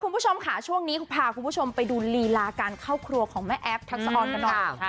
คุณผู้ชมค่ะช่วงนี้พาคุณผู้ชมไปดูลีลาการเข้าครัวของแม่แอฟทักษะออนกันหน่อย